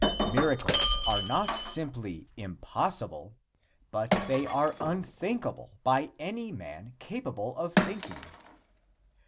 Miracles are not simply impossible, but they are unthinkable by any man capable of thinking.